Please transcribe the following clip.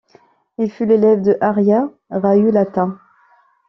Il fut l'élève de Ārya Rāhulata.